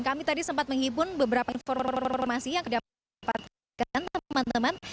kami tadi sempat menghibur beberapa informasi yang kedapatkan teman teman